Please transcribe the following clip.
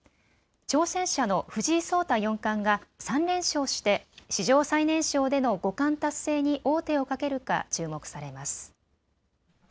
挑戦者の藤井聡太四冠が３連勝して、史上最年少での五冠達成に王手をかけるか注目されます。